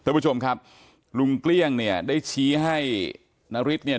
ทุกผู้ชมครับลุงเกลี้ยงเนี่ยได้ชี้ให้นาริสเนี่ย